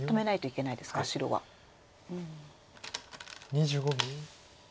２５秒。